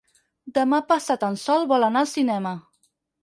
Demà passat en Sol vol anar al cinema.